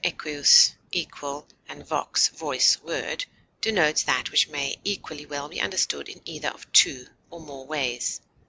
equus, equal, and vox, voice, word) denotes that which may equally well be understood in either of two or more ways.